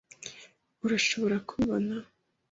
Urashobora kubibona?